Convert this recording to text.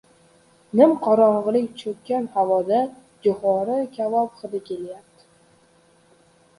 Nimqorong‘ilik cho‘kkan, havoda jo‘xori kabob hidi kelardi.